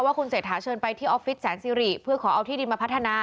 ว่าคุณเศรษฐาเชิญไปที่ออฟฟิศแสนสิริเพื่อขอเอาที่ดินมาพัฒนา